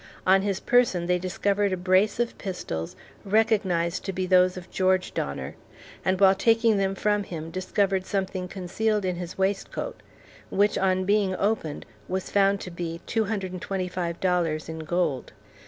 On his person they discovered a brace of pistols recognized to be those of George Donner; and while taking them from him, discovered something concealed in his waistcoat, which on being opened was found to be $225.00 in gold.